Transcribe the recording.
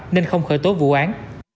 nên không khởi tố vụ án